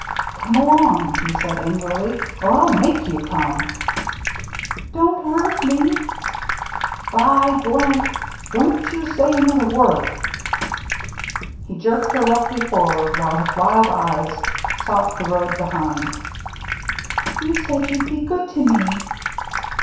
" Come along,'* he said angrily, " or I'll make you come !"" Don't hurt me !"« By ! Don't you say another word !" He jerked her roughly forward, while his wild eyes sought the road behind. " You said you'd be good to me